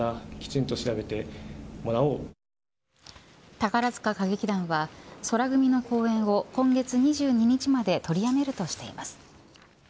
宝塚歌劇団は宙組の公演を今月２２日まで取りやめるとしています。